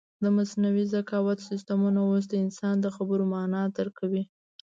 د مصنوعي ذکاوت سیسټمونه اوس د انسان د خبرو مانا درک کوي.